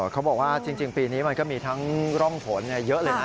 เขาบอกว่าจริงปีนี้มันก็มีทั้งร่องฝนเยอะเลยนะ